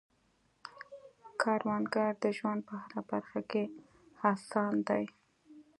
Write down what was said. کروندګر د ژوند په هره برخه کې هڅاند دی